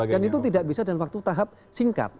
dan itu tidak bisa dalam waktu tahap singkat